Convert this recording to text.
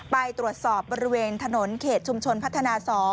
ไปตรวจสอบบริเวณถนนเขตชุมชนพัฒนา๒